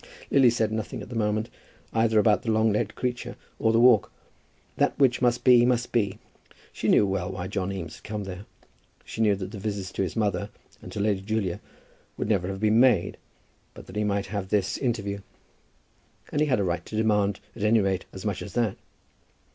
Lily said nothing at the moment, either about the long legged creature or the walk. That which must be, must be. She knew well why John Eames had come there. She knew that the visits to his mother and to Lady Julia would never have been made, but that he might have this interview. And he had a right to demand, at any rate, as much as that.